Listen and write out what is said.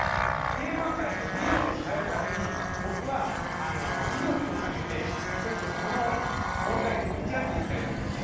競馬界の未来を変えるために僕は命を懸けてちょっとこの問題に向き合っていきたいと思います。